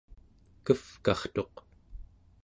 kevkartuq